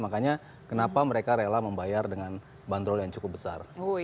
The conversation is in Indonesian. makanya kenapa mereka rela membayar dengan bandrol yang cukup besar